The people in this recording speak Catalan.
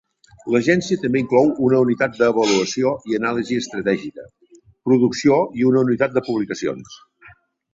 L'agència també inclou una unitat d'avaluació i anàlisi estratègica, producció i una unitat de publicacions.